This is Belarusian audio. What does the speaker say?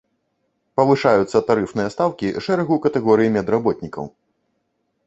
Павышаюцца тарыфныя стаўкі шэрагу катэгорый медработнікаў.